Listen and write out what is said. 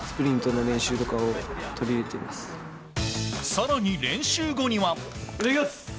更に練習後には。